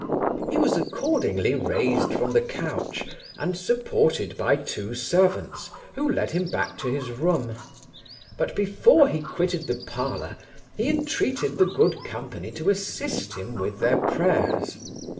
He was accordingly raised from the couch, and supported by two servants, who led him back to his room; but before he quitted the parlour, he intreated the good company to assist him with their prayers.